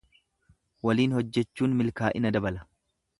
Waliin hojjechuun milkaa’ina dabala.